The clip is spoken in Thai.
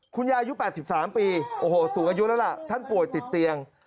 คุณยายุค๘๓ปีโอ้โหสูงอายุแล้วล่ะท่านป่วยติดเตียง